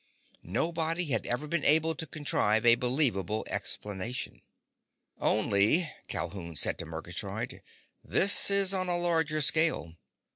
Nobody had ever been able to contrive a believable explanation. "Only," said Calhoun to Murgatroyd, "this is on a larger scale.